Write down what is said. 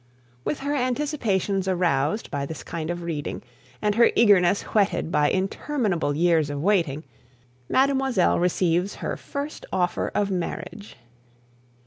With her anticipations aroused by this kind of reading and her eagerness whetted by interminable years of waiting, Mademoiselle receives her first offer of marriage.